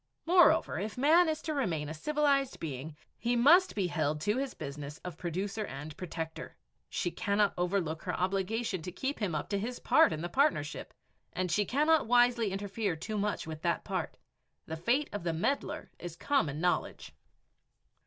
Moreover, if man is to remain a civilized being, he must be held to his business of producer and protector. She cannot overlook her obligation to keep him up to his part in the partnership, and she cannot wisely interfere too much with that part. The fate of the meddler is common knowledge!